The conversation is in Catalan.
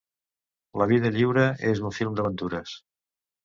La vida lliure és un film d’aventures.